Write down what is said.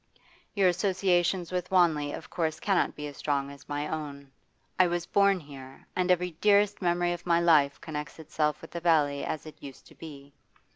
'Your associations with Wanley of course cannot be as strong as my own. I was born here, and every dearest memory of my life connects itself with the valley as it used to be.